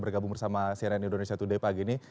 bergabung bersama cnn indonesia today pagi ini